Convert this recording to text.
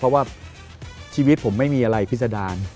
เพราะว่าชีวิตผมไม่มีอะไรพิษดาร